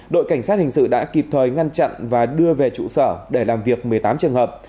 đội cảnh sát hình sự đã kịp thời ngăn chặn và đưa về trụ sở để làm việc một mươi tám trường hợp